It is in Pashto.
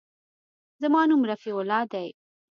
زما نوم رفيع الله دى.